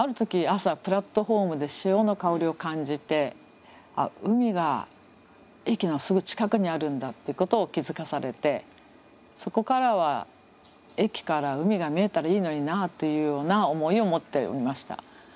朝プラットホームで潮の香りを感じて海が駅のすぐ近くにあるんだってことを気付かされてそこからは駅から海が見えたらいいのになっていうような思いを持っていました。